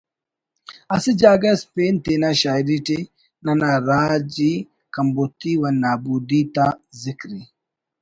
اسہ جاگہ اس پین تینا شاعری ٹی ننا راجی کمبوتی و نابودی تا ذکر ءِ